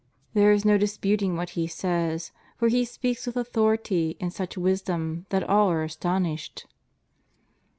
There is no disputing what He says, for He speaks with authority and such wisdom that all are astonished.